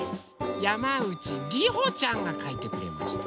やまうちりほちゃんがかいてくれました。